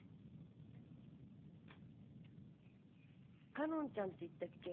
花音ちゃんって言ったっけ？